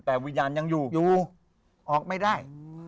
แต่วิญญาณยังอยู่อยู่ออกไม่ได้